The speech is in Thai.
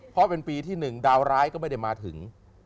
เพราะเป็นปีที่๑ดาวร้ายก็ไม่ได้มาถึง